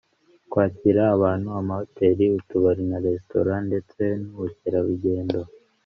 Kwakira abantu amahoteri utubari na resitora ndetse n ubukerarugendo